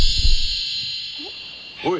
おい！